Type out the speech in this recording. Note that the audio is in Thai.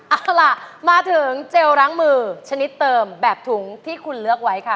เอาล่ะมาถึงเจลล้างมือชนิดเติมแบบถุงที่คุณเลือกไว้ค่ะ